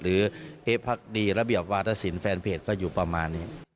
หรือเอฟภักดีระเบียบวาทธศิลป์แฟนเพจก็อยู่ประมาณนี้